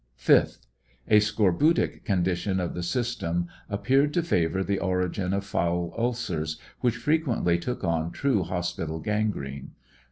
5th, A scorbutic condition of the system appeared to favor the origin of foul ulcers, which frequently took on true hospital gan grene.